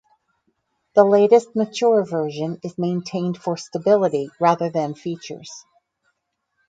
The latest mature version is maintained for stability rather than features.